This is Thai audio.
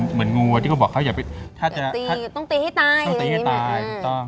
เหมือนงูที่บอกต้องตีให้ตาย